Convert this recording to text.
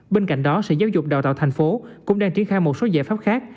bên cạnh đó sở giáo dục đào tạo tp hcm cũng đang triển khai một số giải pháp khác